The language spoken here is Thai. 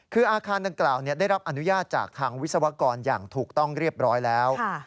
คืออาคารดังกล่าวได้รับอนุญาตจากทางวิศวกรอย่างถูกต้องเรียบร้อยแล้ว